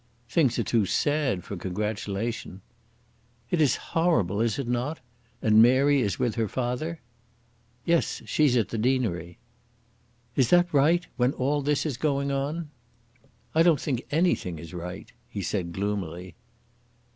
"Things are too sad for congratulation." "It is horrible; is it not? And Mary is with her father." "Yes, she's at the deanery." "Is that right? when all this is going on?" "I don't think anything is right," he said, gloomily.